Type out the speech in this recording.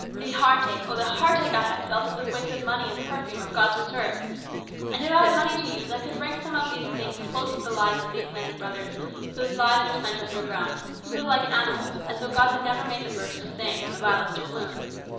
" The heartache, oh, the heartache I have felt at the wasted music and perfume of God's rich earth ! And if I had money to use, I could bring some of these things close to the lives of these men and brothers whose lives are spent underground, who live like animals, as though God had never made the birds to sing and the violets to bloom.